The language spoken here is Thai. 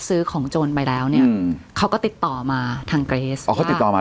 ซื้อของจนไปแล้วเนี้ยเขาก็ติดต่อมาทางเขาติดต่อมา